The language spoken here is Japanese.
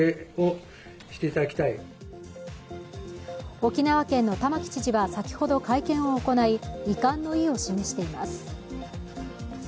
沖縄県の玉城知事は先ほど会見を行い、遺憾の意を示しています。